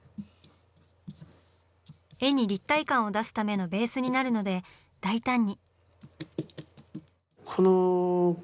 絵に立体感を出すためのベースになるので大胆に。